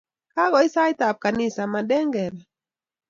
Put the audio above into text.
Kagoit sait ap ganisa, manden kebe.